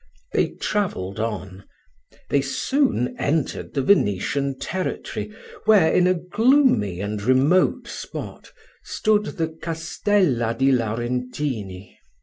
They travelled on they soon entered the Venetian territory, where, in a gloomy and remote spot, stood the Castella di Laurentini.